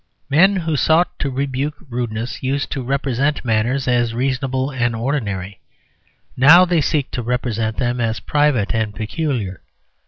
Men who sought to rebuke rudeness used to represent manners as reasonable and ordinary; now they seek to represent them as private and peculiar.